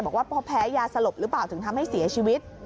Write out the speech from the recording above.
บอกว่าเพราะแพ้ยาสลบหรือเปล่าถึงทำให้เสียชีวิต